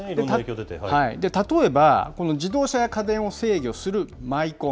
例えば、この自動車や家電を制御するマイコン。